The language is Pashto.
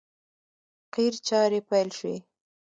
قیر چارې پیل شوې!